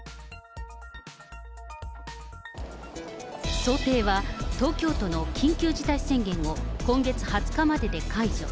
想定は東京都の緊急事態宣言を今月２０日までで解除。